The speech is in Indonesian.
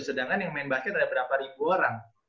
sedangkan yang main basket ada berapa ribu orang